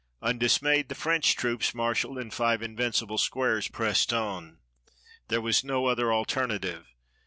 Undismayed, the French troops, marshaled in five invincible squares, pressed on. There was no other alternative.